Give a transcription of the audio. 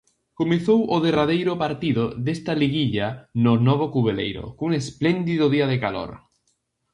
Comezou o derradeiro partido desta liguilla no novo Cubeleiro cun espléndido día de calor.